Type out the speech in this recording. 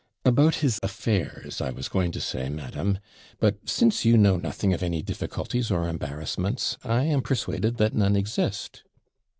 'About his affairs, I was going to say, madam. But, since you know nothing of any difficulties or embarrassments, I am persuaded that none exist.'